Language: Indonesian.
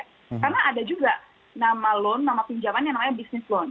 karena ada juga nama loan nama pinjaman yang namanya business loan